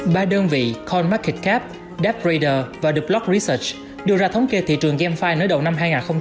ba đơn vị coinmarketcap devradar và theblockresearch đưa ra thống kê thị trường gamefi nửa đầu năm hai nghìn hai mươi hai